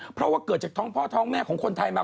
เพราะว่าเกิดจากท้องพ่อท้องแม่ของคนไทยมา